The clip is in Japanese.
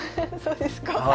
そうですか？